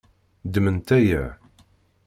Ddmemt aya.